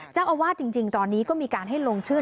เจ้าอาวาสจริงตอนนี้ก็มีการให้ลงชื่อ